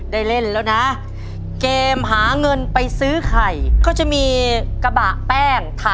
ได้เล่นแล้วนะ